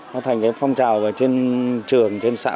nó thành phong trào ở trên trường trên xã